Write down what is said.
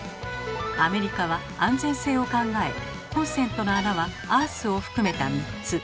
アメリカは安全性を考えコンセントの穴はアースを含めた３つ。